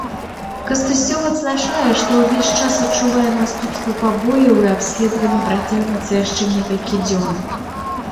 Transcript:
Кастусёў адзначае, што ўвесь час адчувае наступствы пабояў і абследаванне працягнецца яшчэ некалькі дзён.